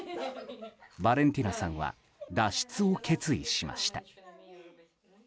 バレンティナさんは脱出を決意しました。